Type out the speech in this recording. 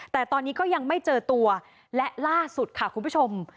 แต่ตอนนี้ก็ยังไม่เจอตัวและล่าสุดค่ะคุณผู้ชม